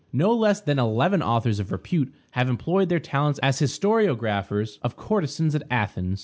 No less than eleven authors of repute have employed their talents as historiographers of courtesans at Athens.